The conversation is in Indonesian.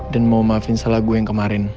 dan mau maafin salah gue yang kemarin